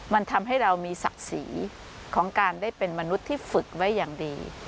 มันทำให้เรามีศักดิ์ศรีของการได้เป็นมนุษย์ที่ฝึกไว้อย่างดี